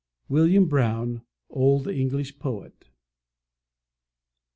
WILLIAM BROWNE, Old English Poet.